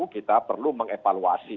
kita perlu mengevaluasi